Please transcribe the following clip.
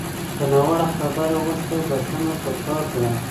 که ناوړه خبره وشوه، بښنه پکار ده